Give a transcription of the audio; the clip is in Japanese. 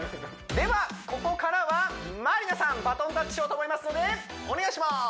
ではここからはまりなさんバトンタッチしようと思いますのでお願いします！